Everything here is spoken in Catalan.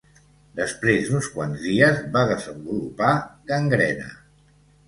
Després d'uns quants dies va desenvolupar gangrena.